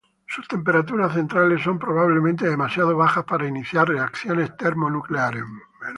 Sus temperaturas centrales son probablemente demasiado bajas para iniciar reacciones termonucleares.